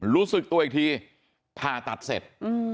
รู้สึกตัวอีกทีผ่าตัดเสร็จ